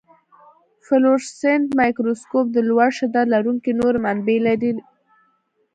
فلورسنټ مایکروسکوپ د لوړ شدت لرونکي نوري منبع لري.